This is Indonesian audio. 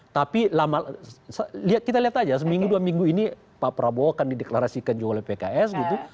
tapi lama kita lihat aja seminggu dua minggu ini pak prabowo akan dideklarasikan juga oleh pks gitu